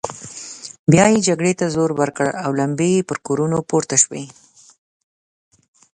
بيا يې جګړې ته زور ورکړ او لمبې يې پر کورونو پورته شوې.